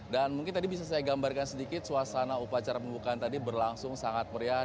dan mungkin tadi bisa saya gambarkan sedikit suasana upacara pembukaan tadi berlangsung sangat meriah